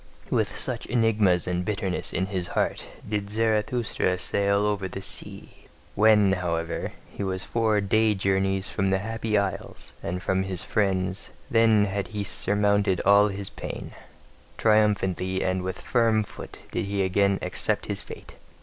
With such enigmas and bitterness in his heart did Zarathustra sail o'er the sea. When, however, he was four day journeys from the Happy Isles and from his friends, then had he surmounted all his pain : triumphantly and with firm foot did he again accept his fate.